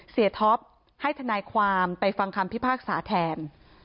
ท็อปให้ทนายความไปฟังคำพิพากษาแทน